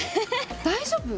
大丈夫？